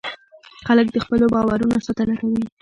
خلک د خپلو باورونو ساتنه کوي.